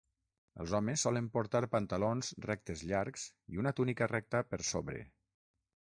Els homes solen portar pantalons rectes llargs i una túnica recta per sobre.